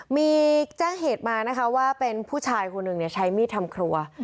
มีแจ้งเหตุมานะคะว่าเป็นผู้ชายคนหนึ่งใช้มีดทำครัว